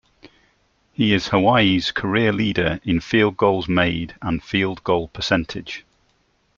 He is Hawaii's career leader in field goals made and field goal percentage.